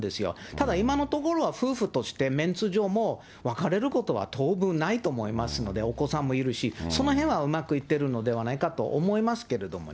ただ、今のところは夫婦として、メンツ上も、別れることは当分ないと思いますので、お子さんもいるし、そのへんはうまくいってるのではないかと思いますけどね。